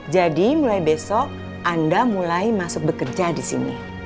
jadi mulai besok anda mulai masuk bekerja di sini